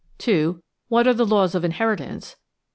(2) What are the laws of inheritance?